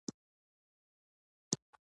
قاضي د ولایت قاضي وو.